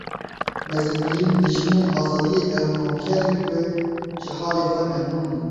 Mezintirîn dijminên azadiyê ew noker in ku ji halê xwe memnûn in.